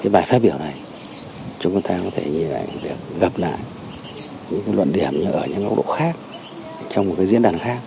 bài phát biểu này chúng ta có thể nhìn lại việc gặp lại những luận điểm ở những góc độ khác trong một diễn đàn khác